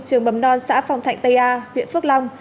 trường mầm non xã phong thạnh tây a huyện phước long